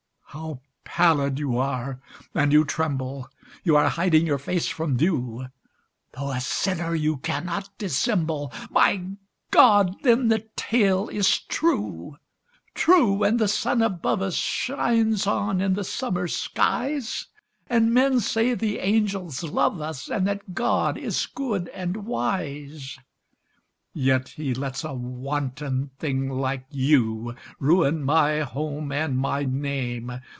How pallid you are, and you tremble! You are hiding your face from view! "Tho' a sinner, you cannot dissemble" My God! then the tale is true? True, and the sun above us Shines on in the summer skies? And men say the angels love us, And that God is good and wise. Yet he lets a wanton thing like you Ruin my home and my name!